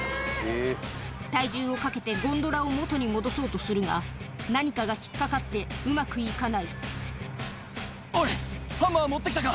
体重をかけてゴンドラを元に戻そうとするが何かが引っ掛かってうまく行かないおいハンマー持って来たか？